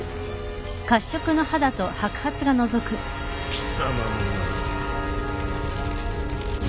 貴様もな。